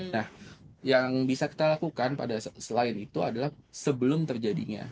nah yang bisa kita lakukan selain itu adalah sebelum terjadinya